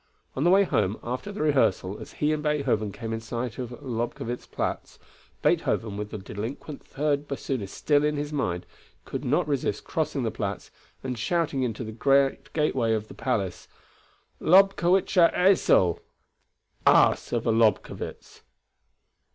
On the way home, after the rehearsal, as he and Beethoven came in sight of the Lobkowitz Platz, Beethoven, with the delinquent third bassoonist still in his mind, could not resist crossing the Platz, and shouting into the great gateway of the palace, "Lobkowitzscher Esel" (ass of a Lobkowitz).